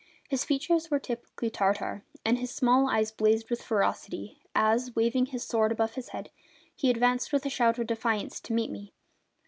His features were typically Tartar, and his small eyes blazed with ferocity as, waving his sword above his head, he advanced with a shout of defiance to meet me.